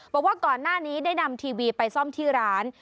บอกว่าก่อนหน้านี้ได้นำทีวีไปซ่อมที่ร้าน